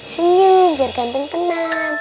senyum biar ganteng tenang